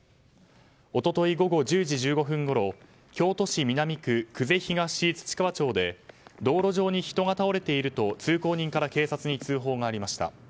一昨日午後１０時１５分ごろ京都市南区久世東土川町で道路上に人が倒れていると通行人から警察に通報がありました。